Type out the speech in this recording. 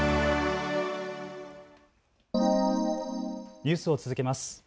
ニュースを続けます。